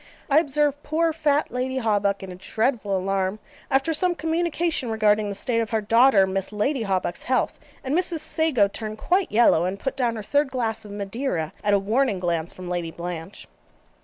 I observed poor fat Lady Hawbuck in a dreadful alarm after some communication regarding the state of her daughter Miss Lucy Hawbuck's health, and Mrs. Sago turned quite yellow, and put down her third glass of Madeira, at a warning glance from Lady Blanche.